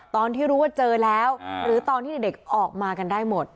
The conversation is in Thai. ตอนที่รู้ว่าเจอแล้วหรือตอนที่เด็กออกมากันได้หมด